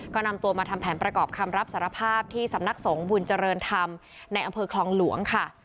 ก็นำตัวมาทำแผนประกอบคำรับสารภาพที่สำนักสงฆ์บุญเจริญธรรมในอำเภอคลองหลวงค่ะ